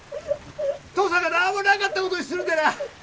父さんが何もなかったことにするでな